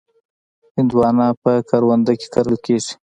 هندوانه په کرونده کې کرل کېږي.